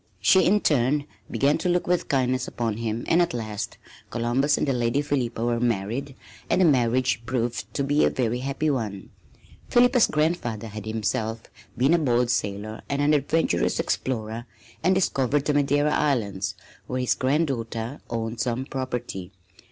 She, in turn, began to look with kindness upon him and at last Columbus and the Lady Philippa were married and the marriage proved to be a very happy one. Philippa's grandfather had himself been a bold sailor and an adventurous explorer and discovered the Madeira Islands, where his granddaughter owned some property.